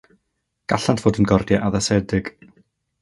Gallant fod yn gordiau addasedig.